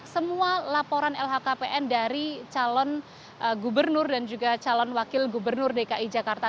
semua laporan lhkpn dari calon gubernur dan juga calon wakil gubernur dki jakarta